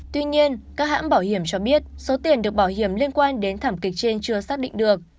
tuy nhiên các hãng bảo hiểm cho biết số tiền được bảo hiểm liên quan đến thảm kịch trên chưa xác định được